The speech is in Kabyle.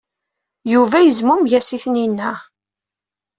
Yuba yezmumeg-as i Tanina.